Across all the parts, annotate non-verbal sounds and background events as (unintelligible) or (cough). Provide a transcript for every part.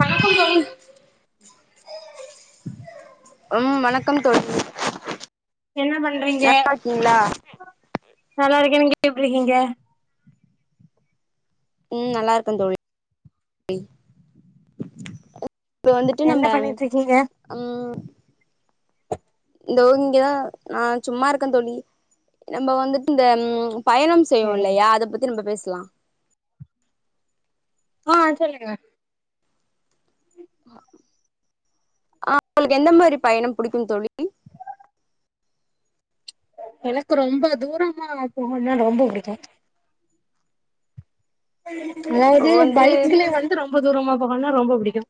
வணக்கம் தோழி உம் வணக்கம் தோழி என்ன பண்றீங்க நல்லா இருக்கீங்களா நல்லா இருக்கே நீங்க எப்டி இருக்கீங் க ம் நல்லா இருக்க தோழி இப்ப வந்துட்டு என்ன நம்ம பண்ணிட்டு இருக்கீங்க அம் இந்தோ இங்க நா சும்மா இருக்கே தோழி நம்ப வந்துட்டு இந்த பயணம் செய்வோ இல்லையா அத பத்தி நம்ப பேசலா ஆ சொல்லுங்க ஆ உங்களுக்கு எந்த மாரி பயணம் பிடிக்கு தோழி எனக்கு ரொம்ப தூரமா போனா ரொம்ப புடிக்கு இப்போ அதாவது வந்து பைக்ல வந்து ரொம்ப தூரமா போகணும்னா ரொம்ப பிடிக்கு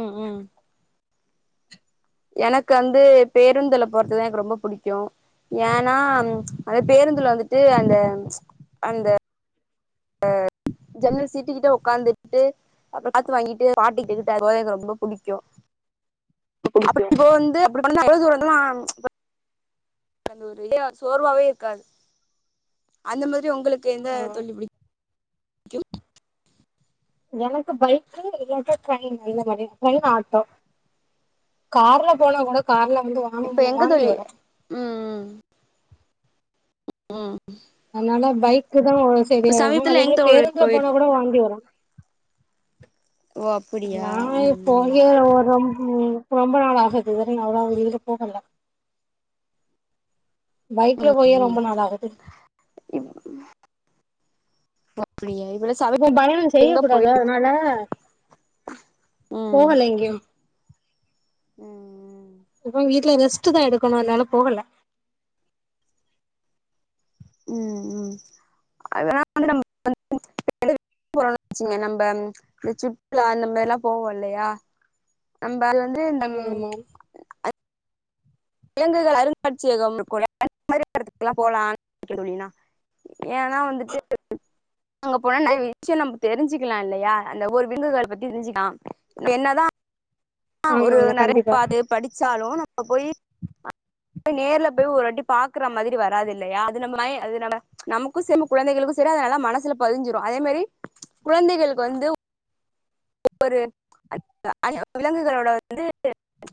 ம் ம் எனக்கு வந்து பேருந்துல போறதுதா எனக்கு ரொம்ப புடிக்கு ஏன்னா அந்த பேருந்துல வந்துட்டு அந்த அந்த ஜன்னல் சீட்டு கிட்ட ஒக்காந்துட்டு அப்பறோ காத்து வாங்கிட்டு பாட்டு கேட்டுட்டு அது போக எனக்கு ரொம்ப பிடிக்கு அப்டி இப்போ வந்து அப்டி அந்த பொழுது வந்து நா அந்த ஒரு இது சோர்வாவே இருக்காது அந்த மாதிரி உங்களுக்கு எந்த தோழி பிடிக் கியூட் எனக்கு பைக்கு இல்லாட்ட ட்ரெயின் இந்த மாதிரி ட்ரெயின் ஆட்டோ கார்ல போனா கூட கார்ல வந்து இப்ப வாந்தி எங்க வாந்தி தோழி வரு ம் ம் ம் அதனால பைக் இதுதான் இப்ப சரியாகு சமீபத்துல எங்க அதேமாரி தோழி பேருந்துல போய் போனா கூட வாந்தி வரும் ஓ அப்படியா ம் நான்இப்பங்க ஒரு ரொம்ப உம் ரொம்ப நாள் ஆகுது வேற அவ்ளவா வெளில போகல பைக்ல போயே ம் ரொம்ப நாள் ஆகுது ப இப்போ பயணம் செய்ய கூடாத அதனால போகல எங்கயும் உஹம் இப்ப வீட்ல எதாச் டுதான் எடுக்கணும் அதனால போகல உம் உம் அதல்லாம் (inaudible) வந்துறோம் வச்சங்க நம்ம இந்த சுற்றுலா அந்த மாரில்லாம் போவோம் இல்லையா அம் பால் வந்து இந்த ஆமா ம் ஆமா இலங்கைகள் அருங்காட்சியகம் ல கூட இந்த மாரி எடத்துக்கலா போலான் நெனைக்குற தோழி நா ஏன்னா வந்துட்டு அங்க போனா நெறைய விஷ்யோ நம்ம தெரிஞ்சிக்கலா இல்லையா அந்த ஒரு விலங்குகள் பத்தி தெரிஞ்சிக்கலா‌ என்னதா அஹ் ஆமா ஒரு ஆமா நெறைய புக் கண்டிப்பா பாத்து படிச்சாலு ப்ப போயி அங்க நேர்ல போயி ஒரு வாட்டி பாக்குற மாதிரி வராது இல்லையா அது நம்ம மை அது நம்ம நமக்கு செரி குழந்தைகளுக்கு செரி அது நல்லா மனசுல பதிஞ்சிரு அதே மாரி குழந்தைகளுக்கு வந்து் ஒரு அஹ் விலங்குகளோட வந்து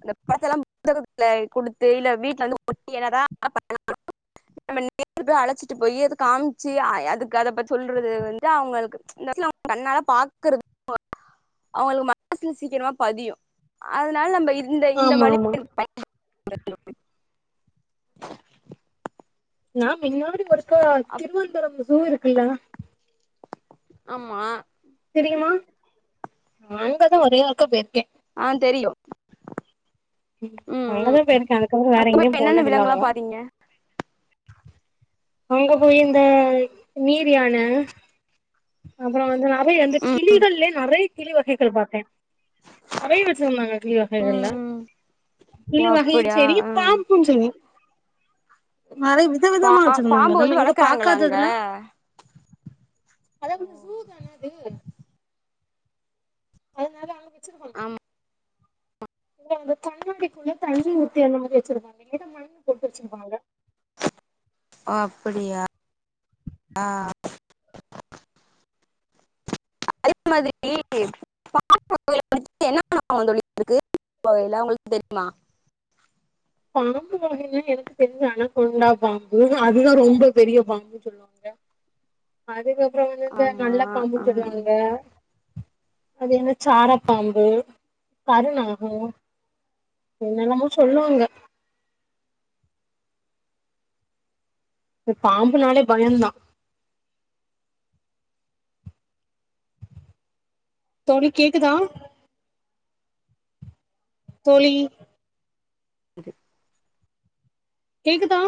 இந்த படத்துலலா புத்தகத்துல குடுத்து இல்ல வீட்டுல வந்து ஒட்டி என்னதா அலப்பற பண்ணாலு நம்ம நேர்ல போயி அழச்சிட்டு போயி அது காம்ச்சி அதுக்கு அத பத்தி சொல்றது வந்து அவுங்களுக்கு இந்த வயசுல அவுங்க கண்ணால பாக்குறது (unintelligible) அவுங்களுக்கு மனசுல சீக்கிரமா பதியு‌ அதனால நம்ம இது இந்த இந்த ஆமா வழி ஆமா (unintelligible) நா முன்னாடி ஒருக்கா திருவனந்தரபுரோ சூ இருக்குல்ல ஆமா தெரியுமா அங்கதா ஒரே ஒருக்கா போயிருக்க அஹ் தெரியு ம் அங்கதா போயிருக்க அதுக்கப்புறோ வேற இப்ப எங்கேயு என்னென்ன போனதில்ல விலங்குல்லா அவ்ளவா பாத்தீங்க அங்க போய் இந்த நீர் யான அப்புறோ வந்து அவை அந்த ம் கிளிகள்ளே நெறைய கிளி வகை கள் பாத்தே நெறைய வெச்சிருந்தாங்க கிளி ம் வகைகள்ல ம் ஓ கிளி வகயும் அப்படியா செரி ஆ பாப்பும் செரி நெறைய வித பா விதமா வச்சிருந்தாங்க பாம்பு நம்ம வந்து இங்க வளர்க்குறாங்களா அங்க பாக்காததுலா அதனால அங்க வச் சிருவாங்க ஆமா இல்ல அந்த கண்ணாடிக்குள்ள தண்ணி ஊத்தி அந்த மாதிரி வச்சிருப்பாங்க இல்லனா மண்ணு போட்டு வச்சிருப்பாங்க அப்படியா அஹ் அதே மாதிரி பாம்பு வகைகள்ல என்ன (unintelligible) உங்களுக்கு தெரியுமா பாம்பு வகைகள்ல எனக்கு தெரிஞ்சி அன கோண்டா பாம்பு அதுதா ரொம்ப பெரிய பாம்புன்னு சொல்லுவாங்க அதுக்கப் புறோ வந்து இந்த ஆமா நல்ல பாம்புன்னு ஆ சொல்லுவாங்க அது என்ன சாரப்பாம்பு கருநாகோ என்னென்னமோ சொல்லுவாங்க பாம்புனாலே பயந்தா தோழி கேக்குதா தோழி இது கேக்குதா